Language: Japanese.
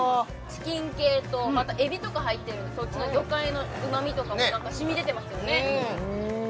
チキン系とまたエビとか入ってるのでそっちの魚介のうまみとかもなんか染み出てますよね